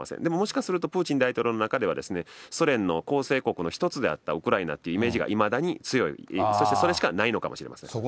でももしかするとプーチン大統領の中では、ソ連の構成国の一つであったウクライナっていうイメージがいまだに強い、そしてそれしかないのかもしれません。